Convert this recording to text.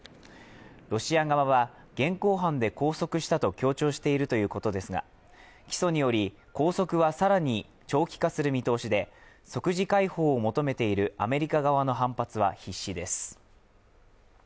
ロシア側は現行犯で拘束したと強調しているということですが、起訴により、拘束は更に長期化する見通しで即時解放を求めているアメリカ側の反発は必至です。